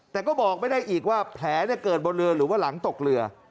แต่ก็บอกไม่ได้อีกว่าแผลเกิดบนเรือหรือว่าหลังตกเรือ